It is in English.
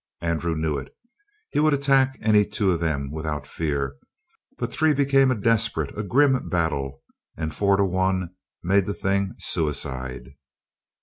Andrew knew it. He would attack any two of them without fear. But three became a desperate, a grim battle; and four to one made the thing suicide.